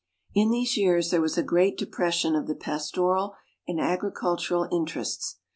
In these years there was a great depression of the pastoral and agricultural interests.